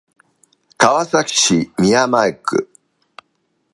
川崎市宮前区